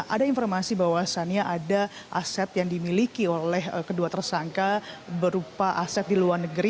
ada informasi bahwasannya ada aset yang dimiliki oleh kedua tersangka berupa aset di luar negeri